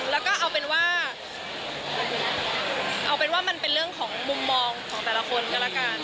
แล้วก็เอาเป็นว่าเอาเป็นว่ามันเป็นเรื่องของมุมมองของแต่ละคนก็แล้วกัน